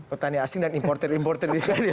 petani asing dan importer importer di sana